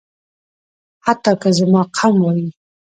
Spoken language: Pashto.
حتی که زما قوم وايي.